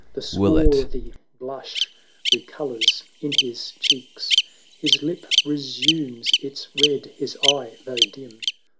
The swarthy blush recolours in his cheeks, His lip resumes its red — his eye, though dim.